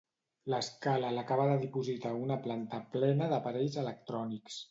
L'escala l'acaba de dipositar a una planta plena d'aparells electrònics.